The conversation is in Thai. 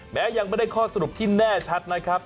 แม้ยังไม่ได้ข้อสรุปที่แน่ชัดนะครับ